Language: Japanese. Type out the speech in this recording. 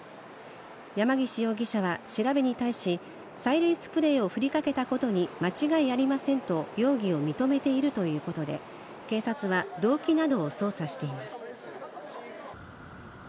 山岸容疑者は調べに対し、催涙スプレーをふりかけたことに間違いありませんと容疑を認めているということで、警察は動機などを捜査しています。